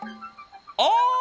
ああ！